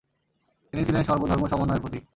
তিনি ছিলেন সর্বধর্মসমন্বয়ের প্রতীক।